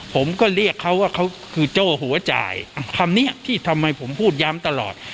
ผมก็เรียกเขาว่าเขาคือโจ้หัวจ่ายคำนี้ที่ทำไมผมพูดย้ำตลอด